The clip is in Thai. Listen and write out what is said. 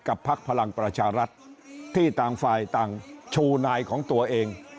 พักพลังประชารัฐที่ต่างฝ่ายต่างชูนายของตัวเอง